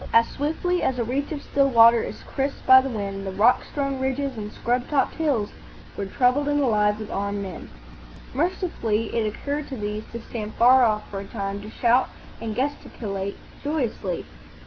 As swiftly as a reach of still water is crisped by the wind, the rock strewn ridges and scrub topped hills were troubled and alive with armed men. Mercifully, it occurred to these to stand far off for a time, to shout and gesticulate joyously.